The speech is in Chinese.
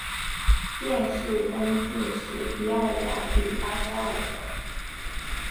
殿试登进士第二甲第八十二名。